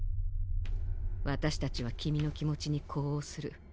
私達は君の気持ちに呼応する。